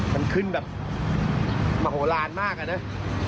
มันขึ้นแบบมโหลานมากอะนะ